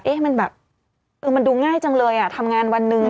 เอ๊ะมันแบบมันดูง่ายจังเลยอ่ะทำงานวันนึง